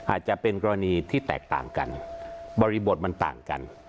อาจจะเป็นกรณีที่แตกต่างกันบริบทมันต่างกัน